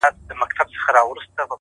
تا دي کرلي ثوابونه د عذاب وخت ته؛